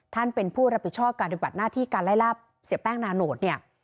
ท่านเป็นผู้รับผิดชอบการอุบัติหน้าที่การไล่ราบเสียแป้งนานโหด